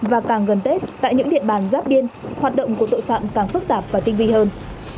và càng gần tết tại những địa bàn giáp biên hoạt động của tội phạm càng phức tạp và tinh vi hơn